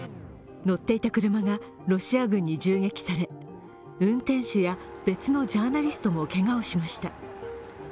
乗っていた車がロシア軍に銃撃され運転手や別のジャーナリストもけがをしました。